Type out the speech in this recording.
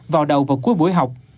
vào đầu và cuối buổi học